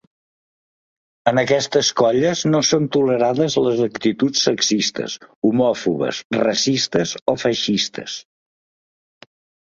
En aquestes colles no són tolerades les actituds sexistes, homòfobes, racistes o feixistes.